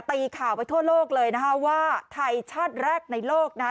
ตีข่าวไปทั่วโลกเลยนะคะว่าไทยชาติแรกในโลกนะคะ